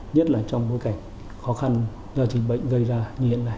nhất là trong bối cảnh khó khăn do dịch bệnh gây ra như hiện nay